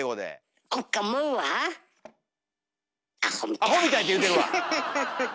「アホみたい」って言うてるわ！